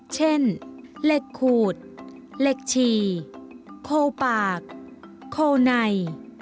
เช่นเหล็กขูดเหล็กชีโคปากโคไน